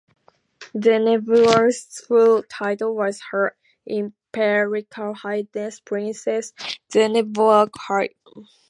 Zenebework's full title was "Her Imperial Highness, Princess Zenebework Haile Selassie".